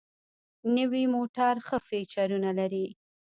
نوي موټر ښه فیچرونه لري.